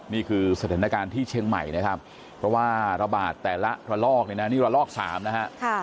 นี่คือสถานการณ์ที่เชียงใหม่นะครับเพราะว่าระบาดแต่ละระลอกเนี่ยนะนี่ระลอก๓นะฮะ